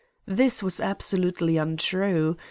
This was absolutely untrue.